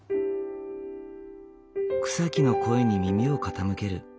草木の声に耳を傾ける。